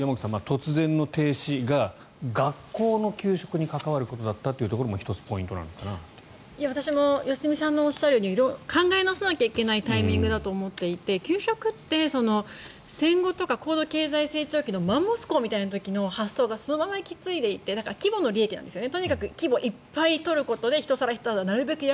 突然の提供停止が学校の給食に関わるものだったというのが私も良純さんのおっしゃるように考え直さなきゃいけないタイミングなのかなと思って給食って、戦後とか高度経済成長期のマンモス校みたいな発想がそのまま引き継いでいて規模の利益なんですね。